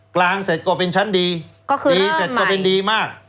กลางเสร็จก็เป็นชั้นดีก็คือเริ่มใหม่ดีเสร็จก็เป็นดีมาก